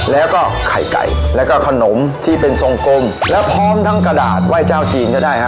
แล้วก็ไข่ไก่แล้วก็ขนมที่เป็นทรงกลมแล้วพร้อมทั้งกระดาษไหว้เจ้าจีนก็ได้ฮะ